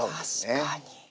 確かに。